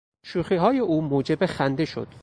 شوخیهای او موجب خنده شد.